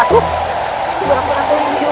tio jangan pegang si tio